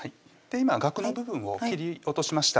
今がくの部分を切り落としました